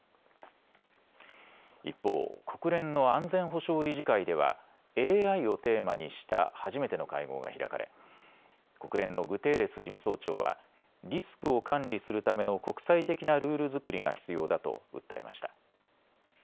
一方、国連の安全保障理事会ではＡＩをテーマにした初めての会合が開かれ国連のグテーレス事務総長はリスクを管理するための国際的なルール作りが必要だと訴えました。